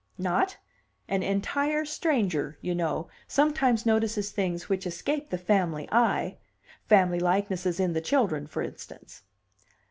"Not? An 'entire stranger,' you know, sometimes notices things which escape the family eye family likenesses in the children, for instance."